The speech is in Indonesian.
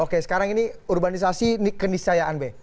oke sekarang ini urbanisasi kenisayaan be